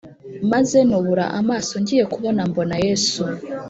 Maze nubura amaso ngiye kubona mbona yesu